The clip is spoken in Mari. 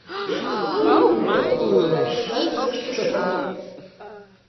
Юрикын брюко пундашыжат изиш кушкедалте...